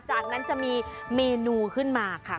จากนั้นจะมีเมนูขึ้นมาค่ะ